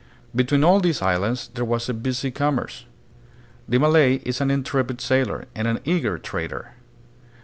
Between all these islands there was a busy commerce. The Malay is an intrepid sailor, and an eager trader.